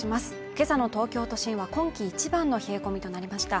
今朝の東京都心は今季一番の冷え込みとなりました